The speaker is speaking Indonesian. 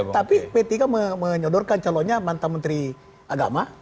tapi pt kan menyodorkan calonnya mantan menteri agama